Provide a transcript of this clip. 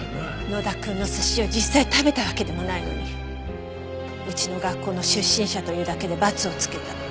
野田くんの寿司を実際食べたわけでもないのにうちの学校の出身者というだけでバツをつけた。